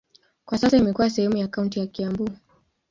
Kwa sasa imekuwa sehemu ya kaunti ya Kiambu.